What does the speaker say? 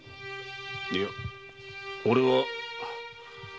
いやオレは。